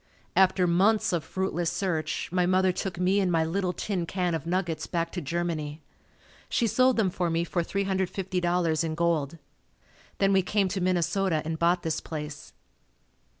After months of fruitless search my mother took me and my little tin can of nuggets back to Germany. She sold them for me for $350.00 in gold. Then we came to Minnesota and bought this place.